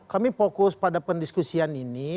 kami fokus pada pendiskusian ini